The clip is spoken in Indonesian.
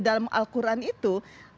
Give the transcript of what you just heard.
dalam al quran itu